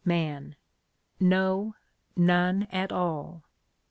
MAN. No, none at all.